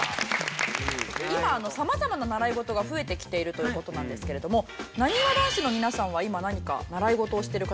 今様々な習い事が増えてきているという事なんですけれどもなにわ男子の皆さんは今何か習い事をしてる方いらっしゃいますか？